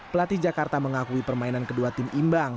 pelatih jakarta mengakui permainan kedua tim imbang